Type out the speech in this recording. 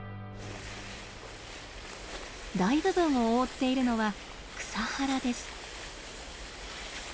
大部分を覆っているのは草原です。